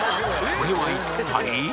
これは一体？